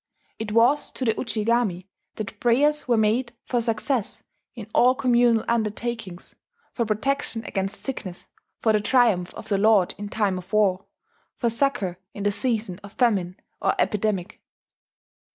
It was to the Ujigami that prayers were made for success in all communal undertakings, for protection against sickness, for the triumph of the lord in time of war, for succour in the season of famine or epidemic.